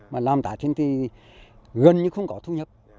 mà làm tài sinh thì gần như không có thu nhập